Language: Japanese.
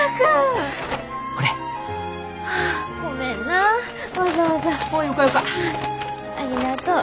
ありがとう。